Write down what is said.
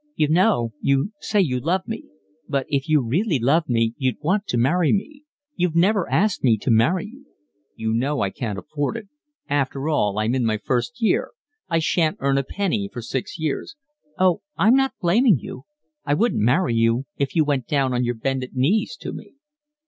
"You know, you say you love me, but if you really loved me you'd want to marry me. You've never asked me to marry you." "You know I can't afford it. After all, I'm in my first year, I shan't earn a penny for six years." "Oh, I'm not blaming you. I wouldn't marry you if you went down on your bended knees to me."